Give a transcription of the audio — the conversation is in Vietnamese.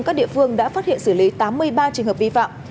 các địa phương đã phát hiện xử lý tám mươi ba trường hợp vi phạm